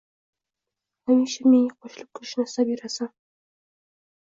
hamisha menga qo‘shilib kulishni istab yurasan.